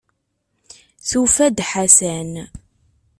Tufa-d Ḥasan.